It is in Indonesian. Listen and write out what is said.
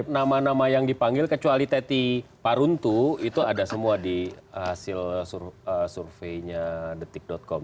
nama nama yang dipanggil kecuali teti paruntu itu ada semua di hasil surveinya detik com